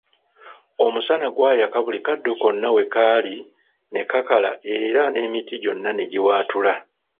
Omusana gwayaka buli kaddo konna wekali ne kakala era n'emiti gyonna ne giwaatula.